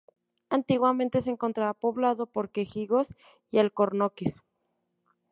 Antiguamente se encontraba poblado por quejigos y alcornoques.